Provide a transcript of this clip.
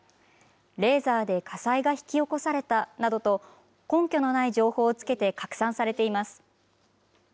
レーザーで火災が引き起こされたなどと、根拠のない情報をつけて拡散されています。